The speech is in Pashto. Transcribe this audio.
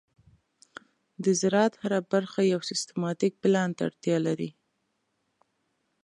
د زراعت هره برخه یو سیستماتيک پلان ته اړتیا لري.